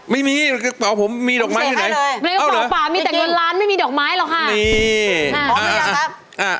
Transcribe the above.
ไม่มีในกระเป๋าผมมีดอกไม้ที่ไหนอ้าวเหรอนี่นี่พร้อมหรือยังครับ